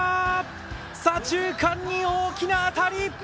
左中間に大きな当たり。